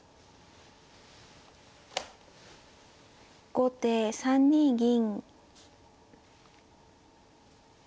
後手３二銀。